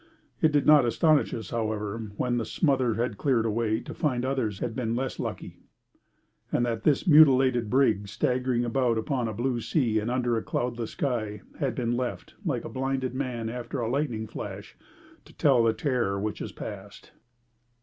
It did not astonish us, however, when the smother had cleared away, to find that others had been less lucky, and that this mutilated brig staggering about upon a blue sea and under a cloudless sky, had been left, like a blinded man after a lightning flash, to tell of the terror which is past.